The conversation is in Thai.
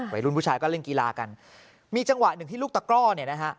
วัยรุ่นผู้ชายก็เล่นกีฬากันมีจังหวะหนึ่งที่ลูกตะกร่อเนี่ยนะฮะ